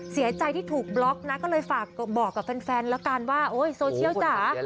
เสียใจที่ถูกบล็อกนะก็เลยฝากบอกกับแฟนแล้วกันว่าโอ๊ยโซเชียลจ๋า